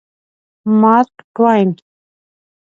مارک ټواین